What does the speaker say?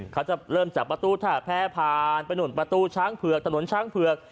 เขาจะเริ่มจากประตูท่าแพ้ผ่านไปนู่นประตูช้างเผือกถนนช้างเผือก